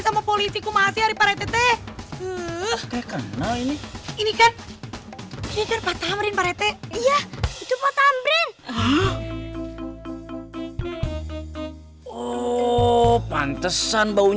hah hari gini masih nganggur